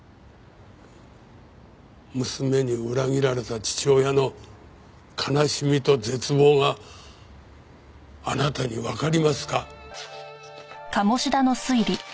娘に裏切られた父親の悲しみと絶望があなたにわかりますか？